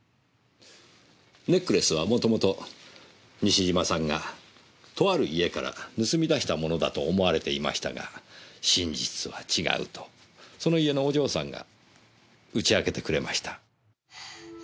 ネックレスはもともと西島さんがとある家から盗み出したものだと思われていましたが真実は違うとその家のお嬢さんが打ち明けてくれました。